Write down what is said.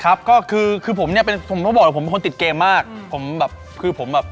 ครับก็คือคือผมเนี้ยเป็นผมต้องบอกเลยผมเป็นคนติดเกมมากผมแบบคือผมแบบ